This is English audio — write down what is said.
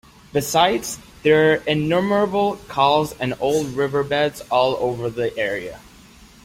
Besides, there are innumerable Khals and old riverbeds all over the area.